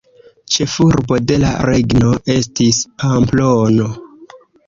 Ĉefurbo de la regno estis Pamplono.